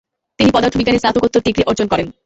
তিনি পদার্থবিজ্ঞানে স্নাতকোত্তর ডিগ্রি অর্জন করেন।